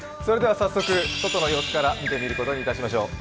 早速、外の様子から見てみることにいたしましょう。